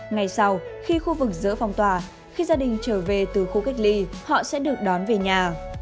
ngày sau khi khu vực giữa phong tỏa khi gia đình trở về từ khu cách ly họ sẽ được đón về nhà